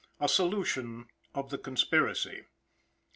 A SOLUTION OF THE CONSPIRACY.